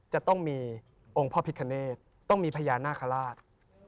จะต้องมีองค์พ่อพิคเนตต้องมีพญานาคาราช